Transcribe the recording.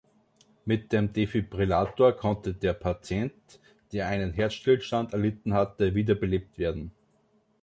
Mit dem Defibrillator konnte der Patient, der einen Herzstillstand erlitten hatte, wiederbelebt werden.